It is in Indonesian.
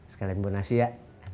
sekalian buang nasi ya